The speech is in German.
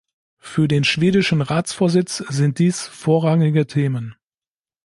Für den schwedischen Ratsvorsitz sind dies vorrangige Themen.